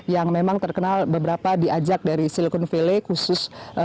yang memang terkenal beberapa diajak dari silicon valley khusus